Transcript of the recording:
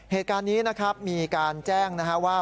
เหตุการณ์นี้นะครับมีการแจ้งนะฮะว่า